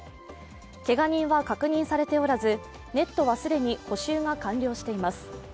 けが人は確認されておらずネットは既に補修が完了しています。